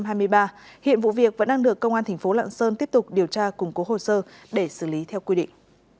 hiện vụ việc vẫn đang được công an thành phố lạng sơn tiếp tục điều tra củng cố hồ sơ để xử lý theo quy định